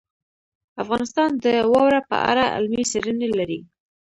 افغانستان د واوره په اړه علمي څېړنې لري.